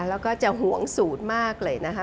แล้วก็จะห่วงสูตรมากเลยนะคะ